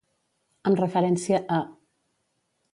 Amb referència a.